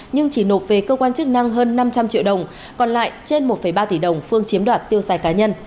nhưng chỉ nộp về cơ quan chức năng hơn năm trăm linh triệu đồng còn lại trên một ba tỷ đồng phương chiếm đoạt tiêu xài cá nhân